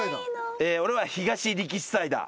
俺は東力士サイダー。